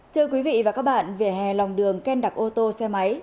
thưa quý vị và các bạn vỉa hè lòng đường ken đặc ô tô xe máy